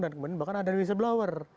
dan kemudian bahkan ada whistleblower